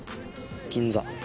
銀座。